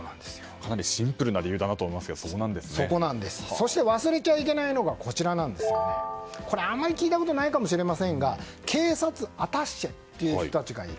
かなりシンプルな理由だと思うんですがそして忘れちゃいけないのがあまり聞いたことないかもしれませんが警察アタッシェという人たちがいる。